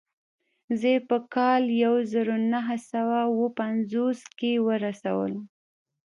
زه يې په کال يو زر و نهه سوه اووه پنځوس کې ورسولم.